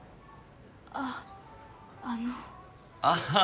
あっあのあ